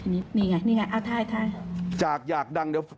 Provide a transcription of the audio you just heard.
อ่ะทีนี้นี่ไงนี่ไงอาทายอาทายจากอยากดังเนี่ย